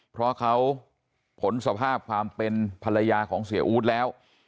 เพราะเขาผลสภาพความเป็นภรรยาของเสียอู๊ดแล้ว